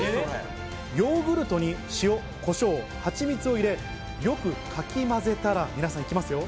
ヨーグルトに塩、コショウ、ハチミツを入れ、よくかき混ぜたら、皆さん、行きますよ。